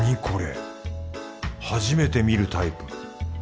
これ初めて見るタイプ。